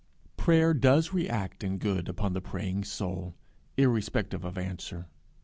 Prayer does react in good upon the praying soul, irrespective of answer.